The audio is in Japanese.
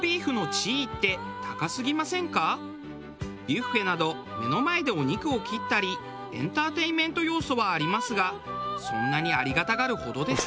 ビュッフェなど目の前でお肉を切ったりエンターテインメント要素はありますがそんなにありがたがるほどですか？